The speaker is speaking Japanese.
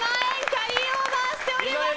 キャリーオーバーしております。